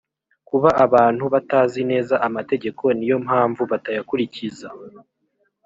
kuba abantu batazi neza amategeko niyo mpamvu batayakurikiza